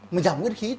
mà giảm nguyên khí